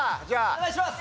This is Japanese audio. お願いします。